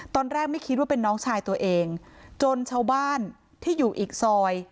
ตอนแรกไม่คิดว่าเป็นน้องชายตัวเองจนชาวบ้านที่อยู่อีกซอย